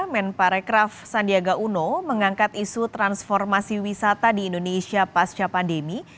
men parekraf sandiaga uno mengangkat isu transformasi wisata di indonesia pasca pandemi